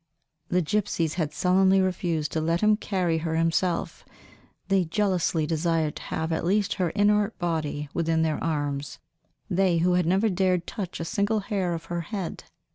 The gypsies had sullenly refused to let him carry her himself; they jealously desired to have at least her inert body within their arms, they who had never dared touch a single hair of her head.